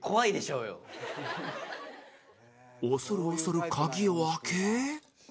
恐る恐る鍵を開け